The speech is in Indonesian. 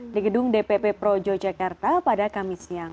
di gedung dpp projo jakarta pada kamis siang